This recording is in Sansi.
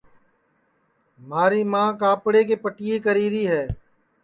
مھاری ماں کاپڑے کے پٹِئیے کری ری ہے